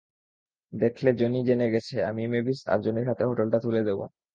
দেখলে, জনি জেনে গেছে, আমি মেভিস আর জনির হাতে হোটেলটা তুলে দিবো।